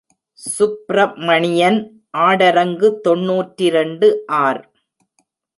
சுப்ரமணியன் ஆடரங்கு தொன்னூற்றிரண்டு ஆர்.